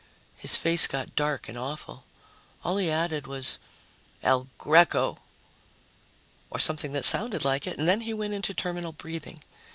His face got dark and awful. All he added was, "El Greco," or something that sounded like it, and then he went into terminal breathing.